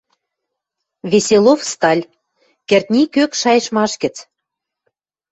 Веселов-Сталь, «Кӹртни кӧк» шайыштмаш гӹц.